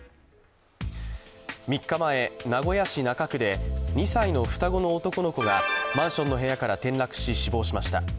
３日前、名古屋市中区で２歳の双子の男の子がマンションの部屋から転落し死亡しました。